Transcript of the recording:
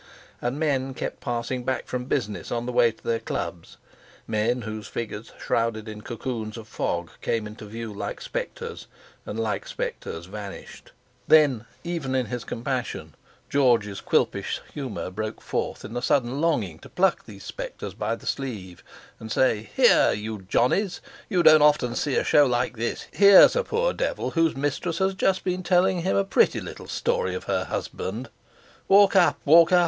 And men kept passing back from business on the way to their clubs—men whose figures shrouded in cocoons of fog came into view like spectres, and like spectres vanished. Then even in his compassion George's Quilpish humour broke forth in a sudden longing to pluck these spectres by the sleeve, and say: "Hi, you Johnnies! You don't often see a show like this! Here's a poor devil whose mistress has just been telling him a pretty little story of her husband; walk up, walk up!